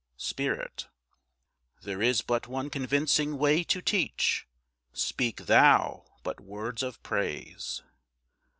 Spirit. There is but one convincing way to teach. Speak thou but words of praise.